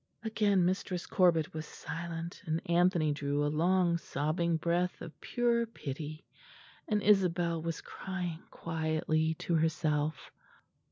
'" Again Mistress Corbet was silent; and Anthony drew a long sobbing breath of pure pity, and Isabel was crying quietly to herself.